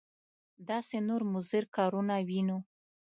داسې نور مضر کارونه وینو.